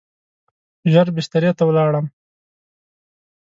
ژر بسترې ته ولاړم.